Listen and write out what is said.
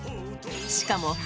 しかも